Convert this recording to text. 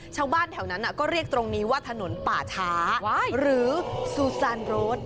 ชาวบ้านแถวนั้นก็เรียกตรงนี้ว่าถนนป่าช้าหรือซูซานโรด